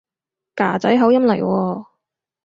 㗎仔口音嚟喎